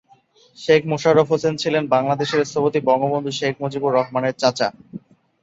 শেখ মোশাররফ হোসেন ছিলেন বাংলাদেশের স্থপতি বঙ্গবন্ধু শেখ মুজিবুর রহমানের চাচা।